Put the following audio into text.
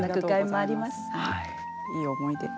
いい思い出。